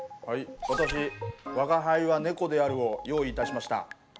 私「吾輩は猫である」を用意いたしました。